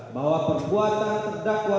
bahwa perbuatan terdakwa